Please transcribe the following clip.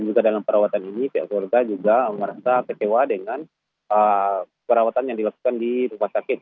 jadi dalam hal ini pihak keluarga juga merasa terkewa dengan perawatan yang dilakukan di rumah sakit